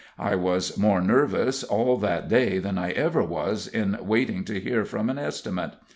I was more nervous all that day than I ever was in waiting to hear from an estimate.